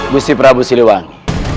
gusti prabu siliwangi